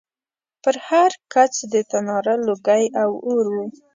پر هر کڅ د تناره لوګی او اور و